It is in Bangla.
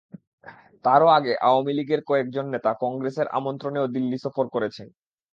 তারও আগে আওয়ামী লীগের কয়েকজন নেতা কংগ্রেসের আমন্ত্রণেও দিল্লি সফর করেছেন।